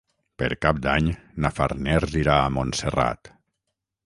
Per Cap d'Any na Farners irà a Montserrat.